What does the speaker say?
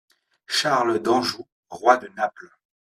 - Charles d'Anjou, roi de Naples.